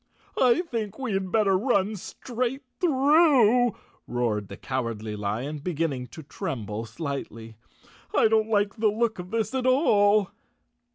I think we had better run straight through," roared Cowardly Lion, beginning to tremble slightly. "I t't like the look of this at all."